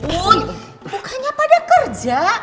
bukannya pada kerja